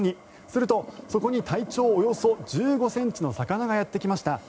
するとそこに体長およそ１５ｃｍの魚がやってきました。